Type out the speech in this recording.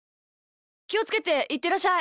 きをつけていってらっしゃい！